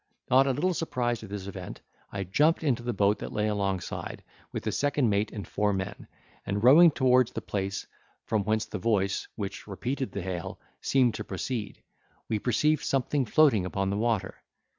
Not a little surprised at this event, I jumped into the boat that lay alongside, with the second mate and four men, and rowing towards the place from whence the voice (which repeated the hail) seemed to proceed, we perceived something floating upon the water.